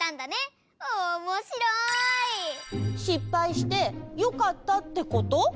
しっぱいしてよかったってこと？